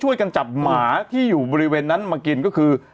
ช่วยกันจับหมาที่อยู่บริเวณนั้นมากินก็คือ